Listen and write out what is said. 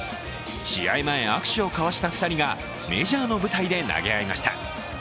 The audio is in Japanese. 試合前、握手を交わした２人がメジャーの舞台で投げ合いました。